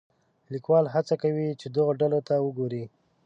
لیکوال هڅه کوي چې دغو ډلو ته وګوري.